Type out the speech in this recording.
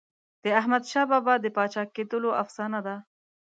د احمدشاه بابا د پاچا کېدلو افسانه ده.